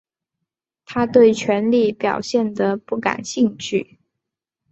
他对权力表现得不感兴趣。